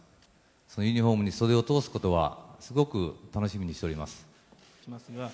そのユニホームに袖を通すことは、すごく楽しみにしております。